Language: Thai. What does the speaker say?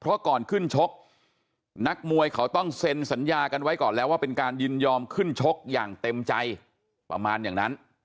เพราะก่อนขึ้นชกนักมวยเขาต้องเซ็นสัญญากันไว้ก่อนแล้วว่าเป็นการยินยอมขึ้นชกอย่างเต็มใจประมาณอย่างนั้น